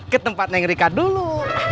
ke tempat neng rika dulu